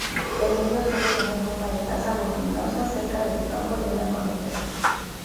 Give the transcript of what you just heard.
El nido suele tener forma de taza voluminosa, cerca del tronco de una conífera.